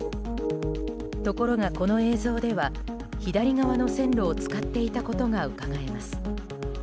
ところが、この映像では左側の線路を使っていたことがうかがえます。